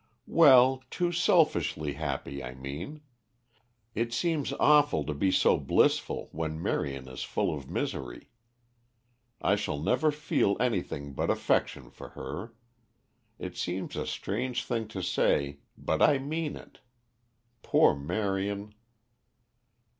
"Well, too selfishly happy I mean. It seems awful to be so blissful when Marion is full of misery. I shall never feel anything but affection for her. It seems a strange thing to say, but I mean it. Poor Marion."